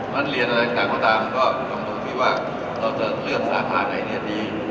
วันเรียนอะไรต่างก็ต้องรู้ที่ว่าเราจะเลือกสาขาในเรียนดี